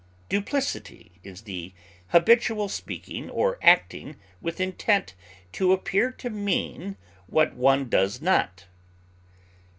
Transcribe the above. Duplicity is the habitual speaking or acting with intent to appear to mean what one does not.